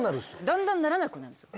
だんだんならなくなるんですよ。